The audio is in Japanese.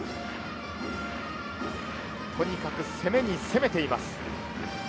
とにかく攻めに攻めています。